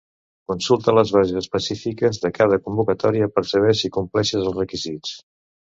Consulta les bases específiques de cada convocatòria per saber si compleixes els requisits.